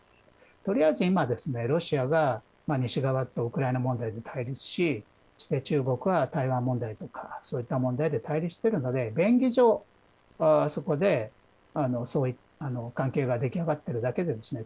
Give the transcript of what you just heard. とりあえず今ですね、ロシアが西側とウクライナ問題で対立し中国は、台湾問題とかそういった問題で対立しているので便宜上、そこでそういった関係が出来上がってるだけでですね